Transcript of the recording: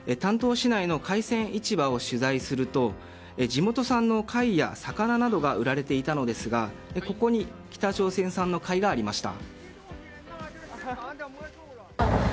市内の海鮮市場を取材すると地元産の貝や魚などが売られていたのですがここに北朝鮮産の貝がありました。